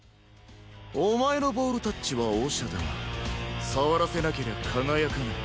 お前のボールタッチはオシャだが触らせなけりゃ輝かない。